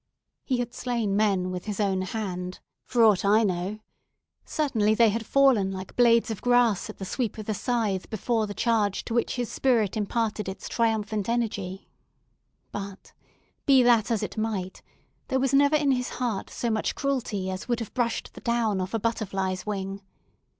He had slain men with his own hand, for aught I know—certainly, they had fallen like blades of grass at the sweep of the scythe before the charge to which his spirit imparted its triumphant energy—but, be that as it might, there was never in his heart so much cruelty as would have brushed the down off a butterfly's wing.